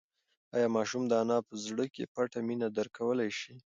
ایا ماشوم د انا په زړه کې پټه مینه درک کولی شي؟